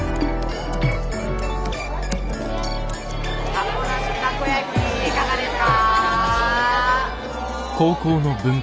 タコなしタコ焼きいかがですか？